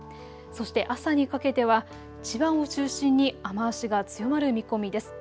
そして朝にかけては千葉を中心に雨足が強まる見込みです。